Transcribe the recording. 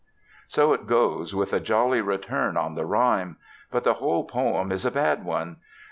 So it goes, with a jolly return on the rhyme. But the whole poem is a bad one.